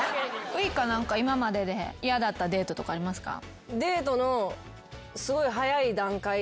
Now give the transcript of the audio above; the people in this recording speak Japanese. ウイカ何か今までで嫌だったデートとかありますか？